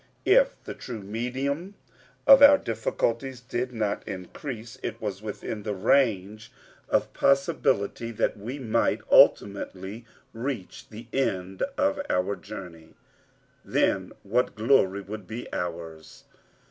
If the true medium of our difficulties did not increase, it was within the range of possibility that we might ultimately reach the end of our journey. Then what glory would be ours!